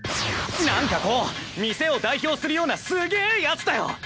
なんかこう店を代表するようなすげぇやつだよ！